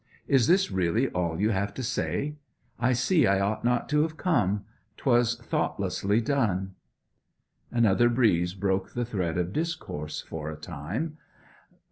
Is this really all you have to say? I see I ought not to have come. 'Twas thoughtlessly done.' Another breeze broke the thread of discourse for a time.